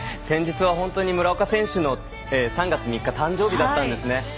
先日は本当に村岡選手の３月３日誕生日だったんですね。